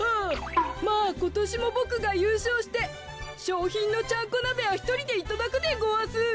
まあことしもボクがゆうしょうしてしょうひんのちゃんこなべはひとりでいただくでごわす。